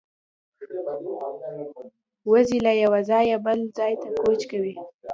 وزې له یوه ځایه بل ته کوچ کوي